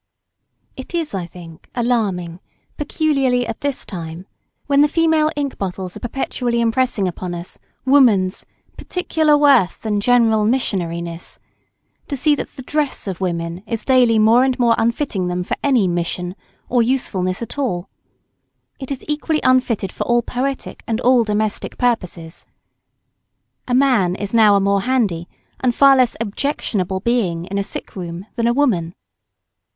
] It is, I think, alarming, peculiarly at this time, when the female ink bottles are perpetually impressing upon us "woman's" "particular worth and general missionariness," to see that the dress of women is daily more and more unfitting them for any "mission," or usefulness at all. It is equally unfitted for all poetic and all domestic purposes. A man is now a more handy and far less objectionable being in a sick room than a woman.